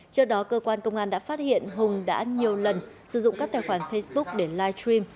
trước đó cơ quan công an đã phát hiện hùng đã nhiều lần sử dụng các tài khoản facebook để live stream